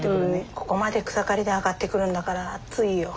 ここまで草刈りで上がってくるんだから暑いよ。